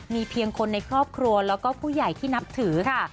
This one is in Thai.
มีเพียงคนในครอบครัวแล้วก็ผู้ใหญ่ที่นับถือค่ะ